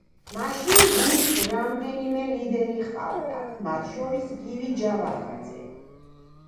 მაშინ გუნდს რამდენიმე ლიდერი ჰყავდა, მათ შორის გივი ჯავახაძე.